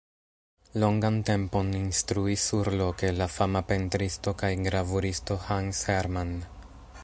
Longan tempon instruis surloke la fama pentristo kaj gravuristo Hans Hermann.